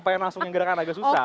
pengen langsung ngerjakan agak susah